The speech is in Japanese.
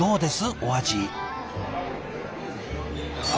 お味。